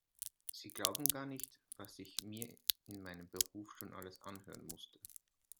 Sie glauben gar nicht, was ich mir in meinem Beruf schon alles anhören musste.